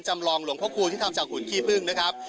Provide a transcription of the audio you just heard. จำลองหลวงพระคูณที่ทำจากหุ่นขี้พึ่งนะครับ